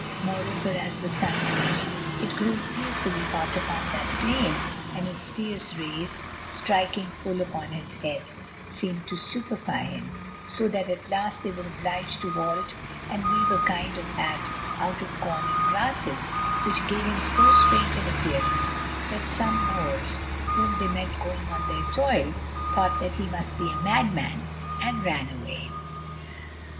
Moreover, as the sun rose, it grew fearfully hot upon that plain, and its fierce rays, striking full upon his head, seemed to stupefy him, so that at last they were obliged to halt and weave a kind of hat out of corn and grasses, which gave him so strange an appearance that some Moors, whom they met going to their toil, thought that he must be a madman, and ran away.